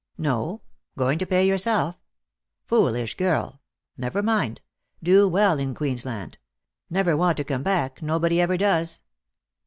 No, going to pay yourself. Foolish girl ! Never mind. Do well in Queensland. Never want to come back, nobody ever does.